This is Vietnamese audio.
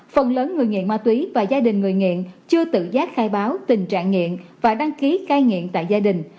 phần lớn người nghiện ma túy và gia đình người nghiện chưa tự giác khai báo tình trạng nghiện và đăng ký cai nghiện tại gia đình